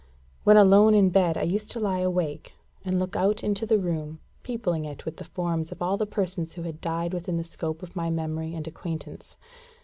When alone in bed, I used to lie awake, and look out into the room, peopling it with the forms of all the persons who had died within the scope of my memory and acquaintance.